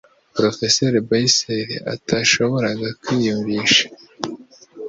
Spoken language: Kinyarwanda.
Porofeseri Bayley atashoboraga kwiyumvisha